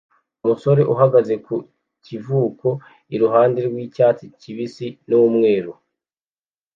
Umusore uhagaze ku kivuko iruhande rw'icyatsi kibisi n'umweru